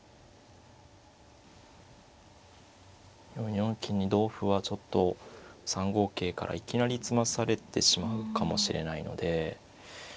４四金に同歩はちょっと３五桂からいきなり詰まされてしまうかもしれないので。